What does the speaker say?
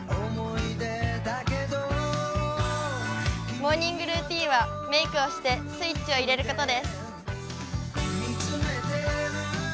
モーニングルーティンはメークをしてスイッチを入れることです。